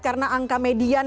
karena angka median